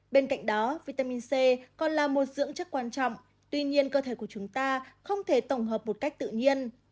bên cạnh đó vitamin c còn là một dưỡng chất quan trọng tuy nhiên cơ thể của chúng ta không thể tổng hợp một cách tự nhiên